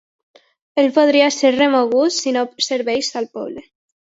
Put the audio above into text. El podria ser remogut si no serveix al poble.